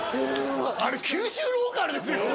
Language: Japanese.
あれ九州ローカルですよ